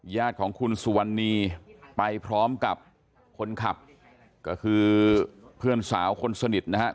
ญาติของคุณสุวรรณีไปพร้อมกับคนขับก็คือเพื่อนสาวคนสนิทนะฮะ